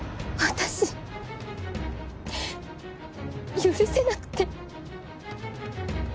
私許せなくて。